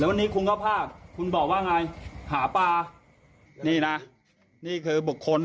วันนี้คุณก็ภาคคุณบอกว่าไงหาปลานี่นะนี่คือบุคคล